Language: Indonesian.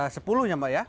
sepuluhnya mbak ya